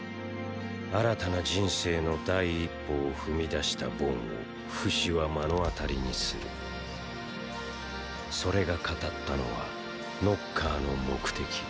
新たな人生の第一歩を踏み出したボンをフシは目の当たりにするそれが語ったのはノッカーの目的。